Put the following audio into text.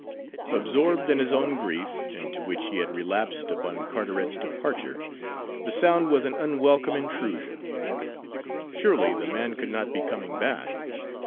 Absorbed in his own grief, into which he had relapsed upon Carteret's departure, the sound was an unwelcome intrusion. Surely the man could not be coming back!